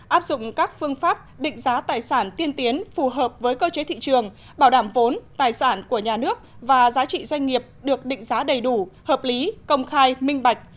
áp dụng các phương pháp định giá tài sản tiên tiến phù hợp với cơ chế thị trường bảo đảm vốn tài sản của nhà nước và giá trị doanh nghiệp được định giá đầy đủ hợp lý công khai minh bạch